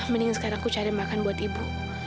mending sekarang aku cari makan buat ibu